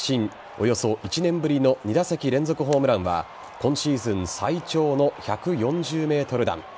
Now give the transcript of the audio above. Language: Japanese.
およそ１年ぶりの２打席連続ホームランは今シーズン最長の１４０ｍ弾。